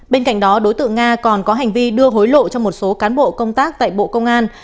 bên cạnh đó đối tượng nga còn có hành vi đưa hối lộ cho một số cán bộ công tác tại bộ công an